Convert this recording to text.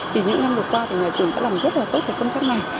thì những năm vừa qua thì nhà trường đã làm rất là tốt cái công tác này